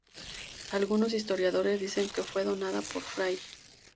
Algunos historiadores dicen que fue donada por fray.